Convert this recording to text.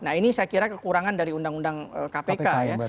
nah ini saya kira kekurangan dari undang undang kpk ya